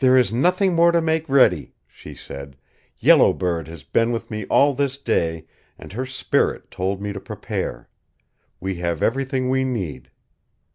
"There is nothing more to make ready," she said. "Yellow Bird has been with me all this day, and her spirit told me to prepare. We have everything we need."